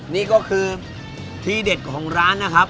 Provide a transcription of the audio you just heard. นี่ก็คือที่เด็ดของร้านนะครับ